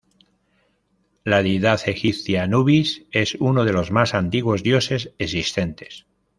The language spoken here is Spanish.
La deidad egipcia Anubis es uno de los más antiguos dioses existentes.